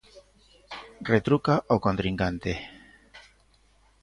Retruca o contrincante.